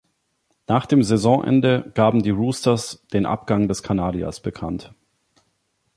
Nach dem Saisonende gaben die Roosters den Abgang des Kanadiers bekannt.